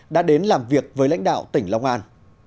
đã đến làm việc với lãnh đạo tỉnh long an